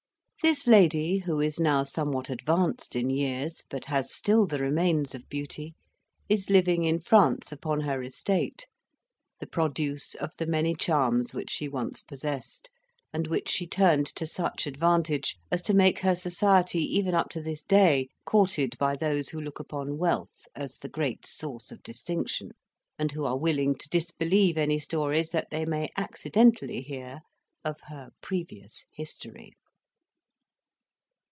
This lady, who is now somewhat advanced in years, but has still the remains of beauty, is living in France upon her estate; the produce of the many charms which she once possessed, and which she turned to such advantage, as to make her society even up to this day courted by those who look upon wealth as the great source of distinction, and who are willing to disbelieve any stories that they may accidentally hear of her previous history.